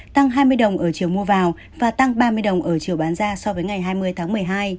tăng hai mươi đồng ở chiều mua vào và tăng ba mươi đồng ở chiều bán ra so với ngày hai mươi tháng một mươi hai